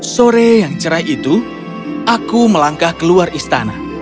sore yang cerai itu aku melangkah keluar istana